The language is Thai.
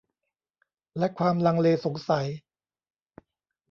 และความลังเลสงสัย